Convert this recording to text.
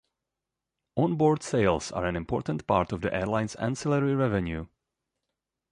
Onboard sales are an important part of the airline's ancillary revenue.